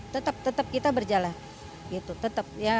tetap tetap kita berjalan